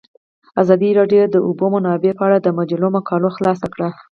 ازادي راډیو د د اوبو منابع په اړه د مجلو مقالو خلاصه کړې.